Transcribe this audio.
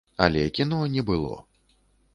Але кіно не было.